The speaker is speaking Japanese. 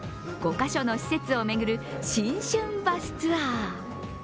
５カ所の施設を巡る新春バスツアー